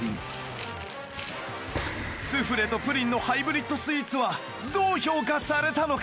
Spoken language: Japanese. スフレとプリンのハイブリッドスイーツはどう評価されたのか？